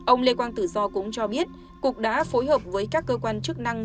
ông lê quang tử do cũng cho biết cục đã phối hợp với các cơ quan chức năng